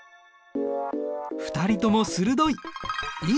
２人とも鋭い！